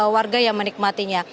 warga yang menikmatinya